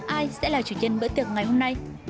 ai sẽ là chủ nhân bữa tiệc ngày hôm nay